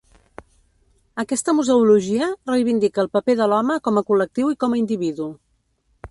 Aquesta museologia reivindica el paper de l'home com a col·lectiu i com a individu.